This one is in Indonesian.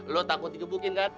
lo takut dikepukin kan